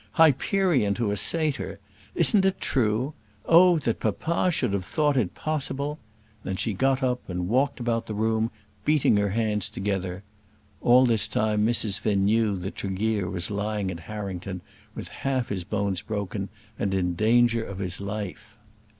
Hyperion to a satyr. Isn't it true? Oh, that papa should have thought it possible!" Then she got up, and walked about the room, beating her hands together. All this time Mrs. Finn knew that Tregear was lying at Harrington with half his bones broken, and in danger of his life!